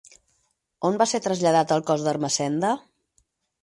On va ser traslladat el cos d'Ermessenda?